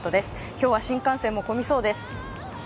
今日は新幹線も混みそうです。